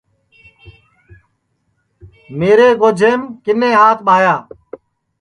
میرے گوجیم کِنے ہات ٻایا تیا